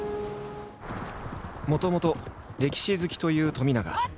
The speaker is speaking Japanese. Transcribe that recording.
もともと歴史好きという冨永。